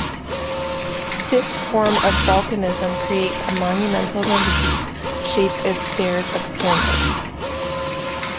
This form of volcanism creates a monumental relief shaped as stairs of pyramids.